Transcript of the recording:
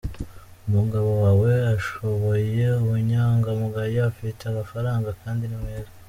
Umugabo wawe ashoboye ubunyangamugayo, afite agafaranga kandi ni mwiza.